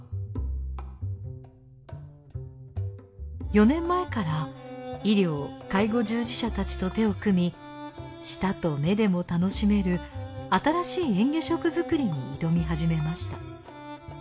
４年前から医療・介護従事者たちと手を組み舌と目でも楽しめる新しい嚥下食作りに挑み始めました。